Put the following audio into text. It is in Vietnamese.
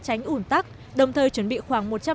tránh ủn tắc đồng thời chuẩn bị khoảng